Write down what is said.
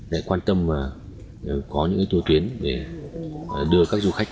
để quan tâm có những tù tuyến để đưa các du khách